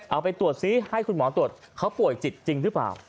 เอาไปตรวจซิให้คุณหมอตรวจเขาป่วยจิตจริงหรือเปล่า